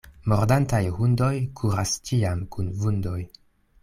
Mordantaj hundoj kuras ĉiam kun vundoj.